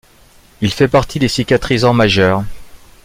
Il fait partie des cicatrisants majeurs.